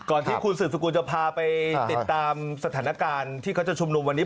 ที่คุณสืบสกุลจะพาไปติดตามสถานการณ์ที่เขาจะชุมนุมวันนี้